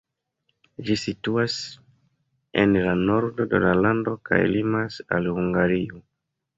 Ĝi situas en la nordo de la lando kaj limas al Hungario.